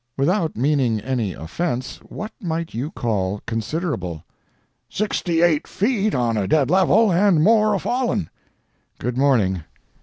"Without meaning any offense, what might you call 'considerable'?" "Sixty eight feet on a dead level, and more a falling!" "Good morning."